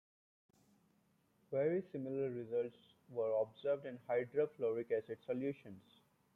Very similar results were observed in hydrofluoric acid solutions.